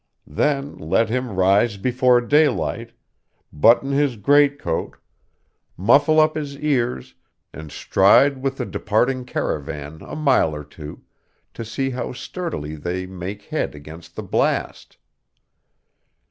Then let him rise before daylight, button his greatcoat, muffle up his ears, and stride with the departing caravan a mile or two, to see how sturdily they make head against the blast.